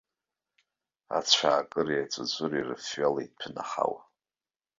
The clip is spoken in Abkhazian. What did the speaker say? Ацәаакыреи аҵәыҵәыреи рыфҩала иҭәын аҳауа.